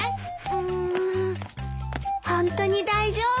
うんホントに大丈夫？